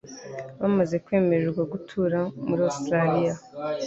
bamaze kwemererwa gutura muri Australia